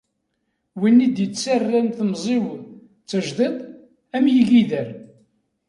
Win i-d-ittarran temẓi-w d tajdidt, am yigider.